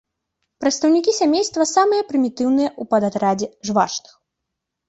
Прадстаўнікі сямейства самыя прымітыўныя ў падатрадзе жвачных.